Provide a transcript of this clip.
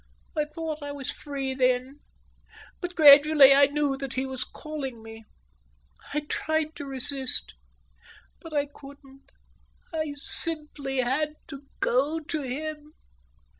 "I thought I was free then, but gradually I knew that he was calling me. I tried to resist, but I couldn't. I simply had to go to him."